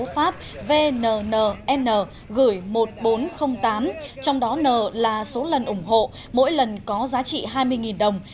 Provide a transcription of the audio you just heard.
pháp vnn gửi một nghìn bốn trăm linh tám trong đó n là số lần ủng hộ mỗi lần có giá trị hai mươi đồng